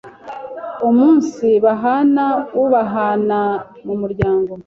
Umunsibahana u b a h a n a Mu muryango,